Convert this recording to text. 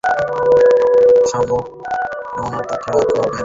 সম্মুখ আক্রমণ ছাড়া আর কোন উপায় নাই।